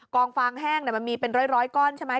กองคว้างแห้งมันมีเป็นร้อยก้อนใช่มั้ย